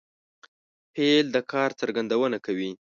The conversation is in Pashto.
فعل د کار څرګندونه کوي.